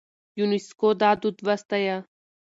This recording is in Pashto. يونيسکو دا دود وستايه.